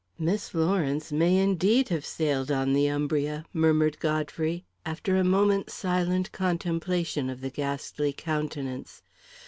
"Miss Lawrence may, indeed, have sailed on the Umbria," murmured Godfrey, after a moment's silent contemplation of the ghastly countenance.